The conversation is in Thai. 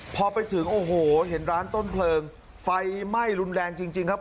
พอไปถึงโอ้โหเห็นร้านต้นเพลิงไฟไหม้รุนแรงจริงครับ